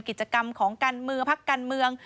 กิจกรรมของกันมือพักการเมือง